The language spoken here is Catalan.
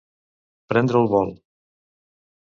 Prendre el vol.